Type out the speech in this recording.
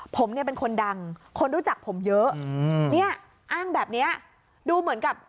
ผมเนี่ยเป็นคนดังคนรู้จักผมเยอะอืมเนี่ยอ้างแบบเนี้ยดูเหมือนกับ